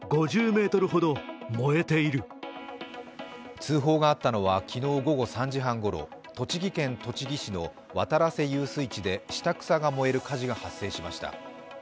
通報があったのは昨日午後３時半ごろ、栃木県栃木市の渡良瀬遊水地で下草が燃える火事が発生しました。